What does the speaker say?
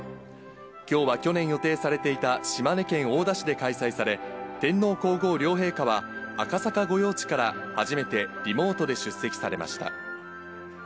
きょうは去年予定されていた島根県大田市で開催され、天皇皇后両陛下は赤坂御用地から、初めてリモートで出席されました。